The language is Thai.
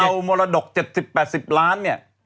เอามรดก๗๐๘๐ล้านเนี่ย